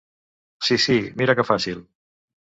Sí Sí, mira que fàcil!